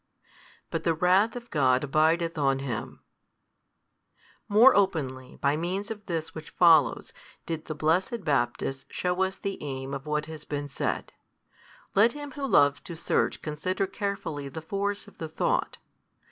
but the wrath of God abideth on him. More openly by means of this which follows did the blessed Baptist shew us the aim of what has been said. Let him who loves to search consider carefully the force of the thought.